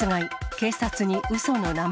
警察にうその名前。